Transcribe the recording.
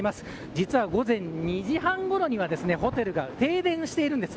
実は午前２時半ごろにホテルが停電しているんです。